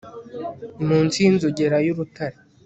munsi y'inzogera y'urutare